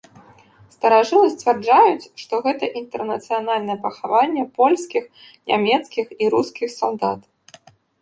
Старажылы сцвярджаюць, што гэта інтэрнацыянальнае пахаванне польскіх, нямецкіх і рускіх салдат.